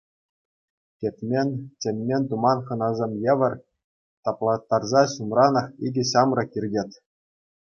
Кӗтмен, чӗнмен-туман хӑнасем евӗр таплаттарса ҫумранах икӗ ҫамрӑк иртет.